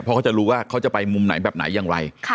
เพราะเขาจะรู้ว่าเขาจะไปมุมไหนแบบไหนอย่างไร